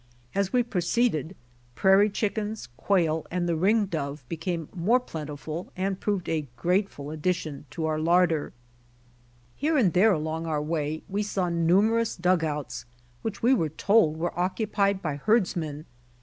As we pro ceeded prairie chickens, quail and the ringdove became more plentiful and proved a grateful addition to our larder. Here and there along our way we saw numerous 16 BY OX TEAM TO CALIFORNIA dugouts whicli we were told were occupied bj herds men.